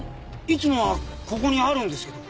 いつもはここにあるんですけど。